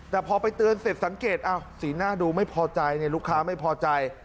แต่พอไปเตือนเสร็จสังเกตสีหน้าดูไม่พอใจลูกค้าไม่พอใจ